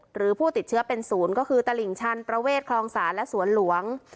หรือผู้ติดเชื้อเป็นศูนย์ก็คือตลิ่งชันประเวทคลองศาลและสวนหลวง